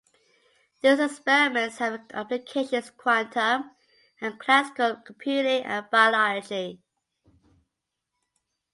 These experiments have applications in quantum and classical computing and biology.